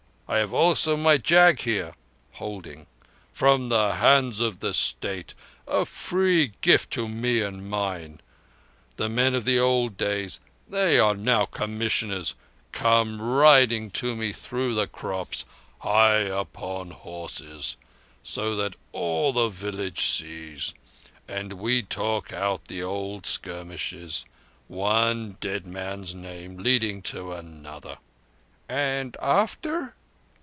I have also my jaghir (holding) from the hands of the State—a free gift to me and mine. The men of the old days—they are now Commissioners—come riding to me through the crops—high upon horses so that all the village sees—and we talk out the old skirmishes, one dead man's name leading to another." "And after?"